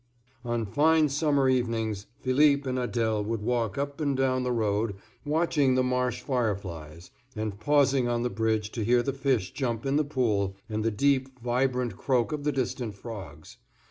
On fine summer evenings Philippe and Adèle would walk up and down the road, watching the marsh fire flies, and pausing on the bridge to hear the fish jump in the pool, and the deep, vibrant croak of the distant frogs.